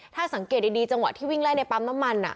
ถ้าสังเกตดีจังหวะที่วิ่งไล่ในปั๊มน้ำมัน